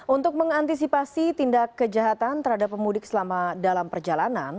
untuk mengantisipasi tindak kejahatan terhadap pemudik selama dalam perjalanan